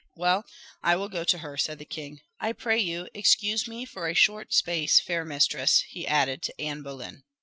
"Well, I will go to her," said the king. "I pray you, excuse me for a short space, fair mistress," he added to Anne Boleyn.